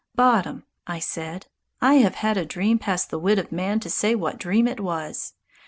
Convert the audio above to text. "Bottom," I said, "I have had a dream past the wit of man to say what dream it was.